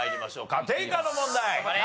家庭科の問題。